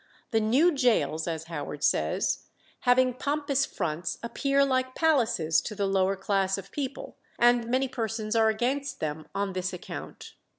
"The new gaols," as Howard says, "having pompous fronts, appear like palaces to the lower class of people, and many persons are against them on this account."